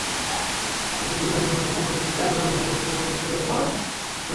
তিনি বিপণিবিতানের তৃতীয় তলার বোম্বাই স্টোর নামের একটি দরজির দোকানে কাজ করতেন।